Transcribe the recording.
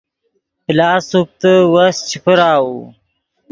پلاس سوکتے وس چے پراؤو